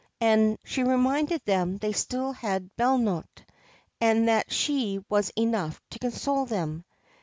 She reminded them that they still had Bellote, and that she was enough to console them.